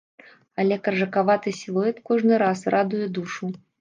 Але каржакаваты сілуэт кожны раз радуе душу.